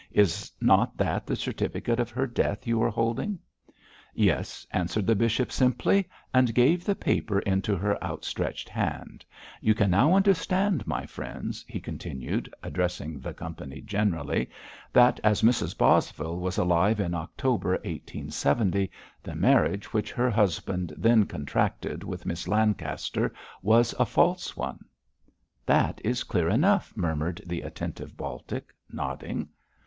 Is not that the certificate of her death you are holding?' 'Yes,' answered the bishop, simply, and gave the paper into her outstretched hand. 'You can now understand, my friends,' he continued, addressing the company generally, 'that as Mrs Bosvile was alive in October 1870, the marriage which her husband then contracted with Miss Lancaster was a false one.' 'That is clear enough,' murmured the attentive Baltic, nodding.